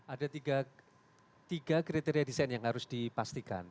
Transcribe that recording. ada tiga kriteria desain yang harus dipastikan